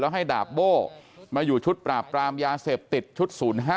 ให้ดาบโบ้มาอยู่ชุดปราบปรามยาเสพติดชุด๐๕